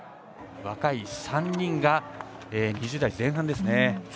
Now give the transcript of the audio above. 若い３人、２０代前半ですね。